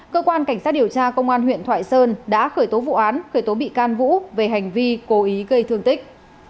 cơ quan cảnh sát điều tra công an huyện thoại sơn đã khởi tố vụ án khởi tố bị can vũ về hành vi cố ý gây thương tích